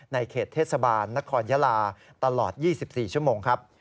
ในเขตเทศบาลนครยาลาตลอด๒๔ชั่วโมงครับ